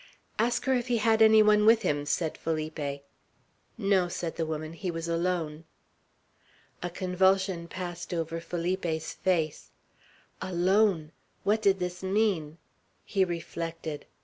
"Ask her if he had any one with him," said Felipe. "No," said the woman. "He was alone." A convulsion passed over Felipe's face. "Alone!" What did this mean! He reflected.